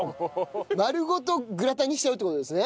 まるごとグラタンにしちゃうって事ですね？